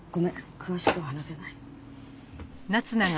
詳しくは話せない。